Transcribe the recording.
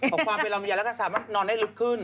ของความเป็นเรามียาแล้วก็สามารถนอนได้ลึกขึ้น